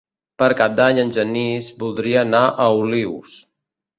Per Cap d'Any en Genís voldria anar a Olius.